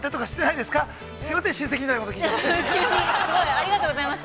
ありがとうございます。